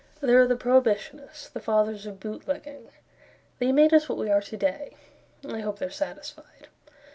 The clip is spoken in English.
There are the Prohibitionists; The Fathers of Bootlegging. They made us what we are to day I hope they're satisfied.